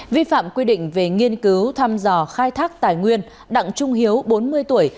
vi phạm quy định về nghiên cứu thăm dò khai thác tài nguyên đặng trung hiếu bốn mươi tuổi